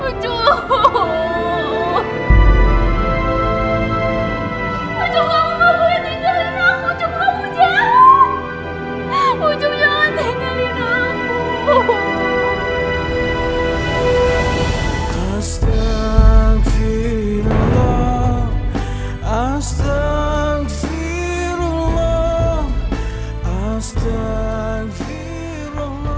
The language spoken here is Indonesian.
ujjum allah jangan tinggalin aku ujjum allah jangan